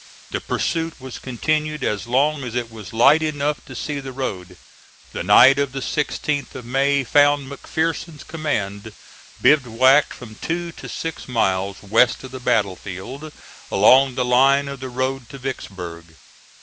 The pursuit was continued as long as it was light enough to see the road. The night of the 16th of May found McPherson's command bivouacked from two to six miles west of the battlefield, along the line of the road to Vicksburg.